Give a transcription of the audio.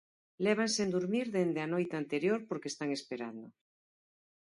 Levan sen durmir dende a noite anterior porque están esperando.